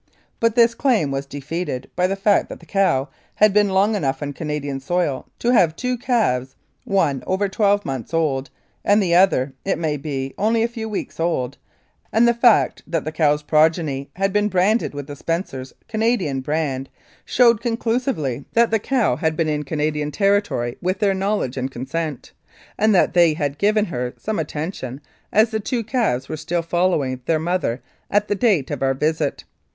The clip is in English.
But this claim was defeated by the fact that the cow had been long enough on Canadian soil to have two calves one over twelve months old and the other, it may be, only a few weeks old; and the fact that the cow's pro geny had been branded with the Spencers' Canadian brand showed conclusively that the cow had been in 165 Mounted Police Life in Canada Canadian territory with their, knowledge and consent, and that they had given her some attention, as the two calves were still following their mother at the date of our visit.